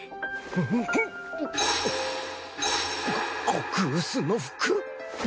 極薄の服